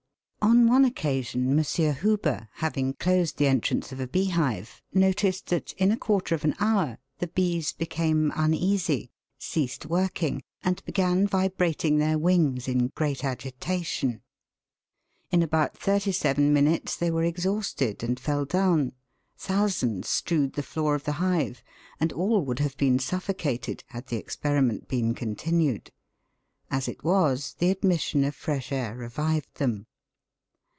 On one occasion M. Huber, having closed the entrance of a bee hive, noticed that, in a quarter of an hour, the bees became uneasy, ceased working, and began vibrating their BURNING AND BREATHING. 165 wings in great agitation. In about thirty seven minutes they were exhausted and fell down ; thousands strewed the floor of the hive, and all would have been suffocated had the ex periment been continued. As it was, the admission of fresh air revived them.